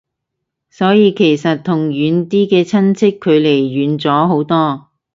所以其實同遠啲嘅親戚距離遠咗好多